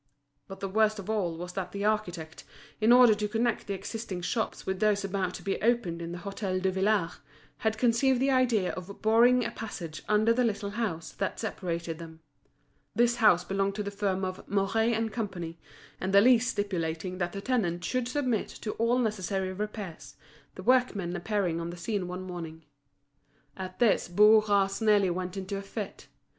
But the worst of all was that the architect, in order to connect the existing shops with those about to be opened in the Hôtel Duvillard, had conceived the idea of boring a passage under the little house that separated them. This house belonged to the firm of Mouret & Co., and the lease stipulating that the tenant should submit to all necessary repairs, the workmen appeared on the scene one morning. At this Bourras nearly went into a fit.